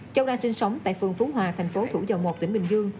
châu đang sinh sống tại phường phú hòa thành phố thủ dầu một tỉnh bình dương